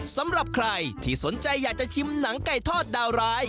สำหรับใครที่สนใจอยากจะชิมหนังไก่ทอดดาวร้าย